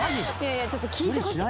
ちょっと聞いてほしい。